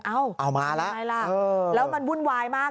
เอ้าเอามาแล้วแล้วมันวุ่นวายมาก